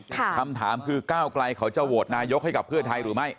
คำถามคือก้าวไกลเขาจะโหวตนายกให้กับเพื่อไทยหรือไม่